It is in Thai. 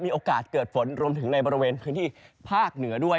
มีโอกาสเกิดฝนรวมถึงในบริเวณพื้นที่ภาคเหนือด้วย